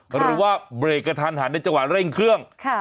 หรือว่าเบรกกระทันหันในจังหวะเร่งเครื่อง